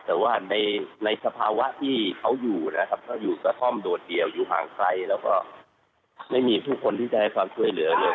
แต่ว่าในสภาวะที่เขาอยู่นะครับเขาอยู่กระท่อมโดดเดี่ยวอยู่ห่างไกลแล้วก็ไม่มีผู้คนที่จะให้ความช่วยเหลือเลย